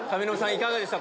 いかがでした？